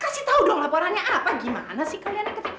kasih tau dong laporannya apa gimana sih kalian